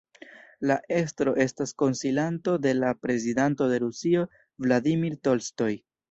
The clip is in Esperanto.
La estro estas konsilanto de la Prezidanto de Rusio Vladimir Tolstoj.